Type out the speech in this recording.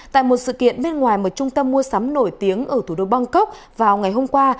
tại một sự kiện bên ngoài một trung tâm mua sắm nổi tiếng ở thủ đô bangkok vào ngày hôm qua